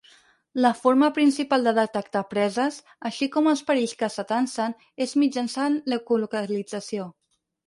La forma principal de detectar preses, així com els perills que s'atansen, és mitjançant l'ecolocalització.